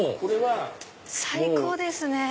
最高ですね！